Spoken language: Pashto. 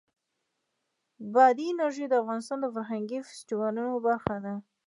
بادي انرژي د افغانستان د فرهنګي فستیوالونو برخه ده.